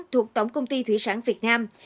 thuộc tổng công ty thủy sản việt nam